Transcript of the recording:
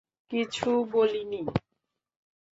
কিছু বলিনি।